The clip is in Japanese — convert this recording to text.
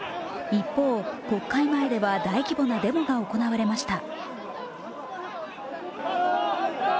一方、国会前では大規模なデモが行われました。